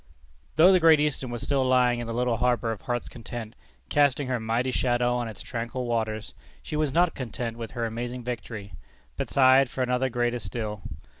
Though the Great Eastern was still lying in the little harbor of Heart's Content, casting her mighty shadow on its tranquil waters, she was not "content" with her amazing victory, but sighed for another greater still.